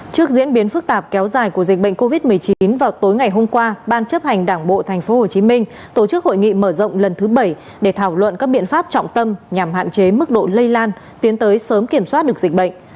trước diễn biến phức tạp kéo dài của dịch bệnh covid một mươi chín vào tối ngày hôm qua ban chấp hành đảng bộ tp hcm tổ chức hội nghị mở rộng lần thứ bảy để thảo luận các biện pháp trọng tâm nhằm hạn chế mức độ lây lan tiến tới sớm kiểm soát được dịch bệnh